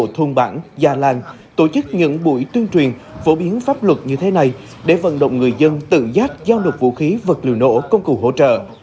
thôn bản gia làng tổ chức những buổi tuyên truyền phổ biến pháp luật như thế này để vận động người dân tự giác giao nộp vũ khí vật liệu nổ công cụ hỗ trợ